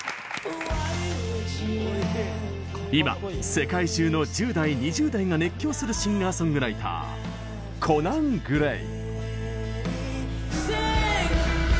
今、世界中の１０代、２０代が熱狂するシンガーソングライターコナン・グレイ。